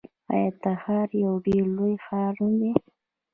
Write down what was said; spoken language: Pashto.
آیا تهران یو ډیر لوی ښار نه دی؟